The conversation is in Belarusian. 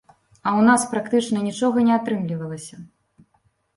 А ў нас практычна нічога не атрымлівалася.